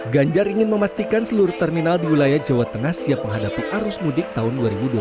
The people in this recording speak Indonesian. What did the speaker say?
ganjar ingin memastikan seluruh terminal di wilayah jawa tengah siap menghadapi arus mudik tahun dua ribu dua puluh tiga